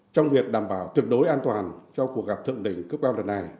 trong việc đảm bảo tuyệt đối an toàn cho cuộc gặp thượng đỉnh cấp cao lần này